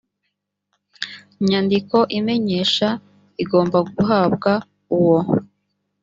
nyandiko imenyesha igomba guhabwa uwo